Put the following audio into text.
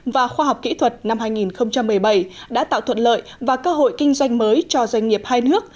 và khoa học kỹ thuật năm hai nghìn một mươi bảy đã tạo thuận lợi và cơ hội kinh doanh mới cho doanh nghiệp hai nước